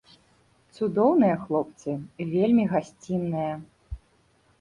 Цудоўныя хлопцы, вельмі гасцінныя.